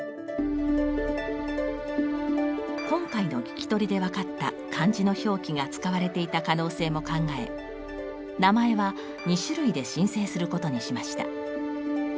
今回の聞き取りで分かった漢字の表記が使われていた可能性も考え名前は２種類で申請することにしました。